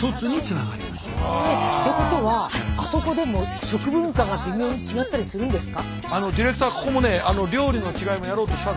ってことはあそこでも食文化が微妙に違ったりするんですか？